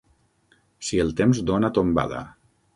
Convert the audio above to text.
Si el temps dona tombada.